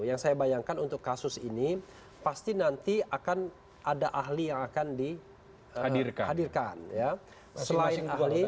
yang saya bayangkan untuk kasus ini pasti nanti akan ada ahli yang akan dihadirkan